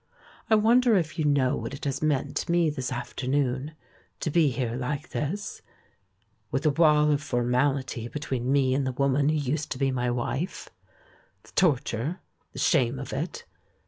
I wonder if you know what it has meant to me this afternoon, to be here like this — with a wall of formality between me and the woman who used to be my wife? The torture, the shame of it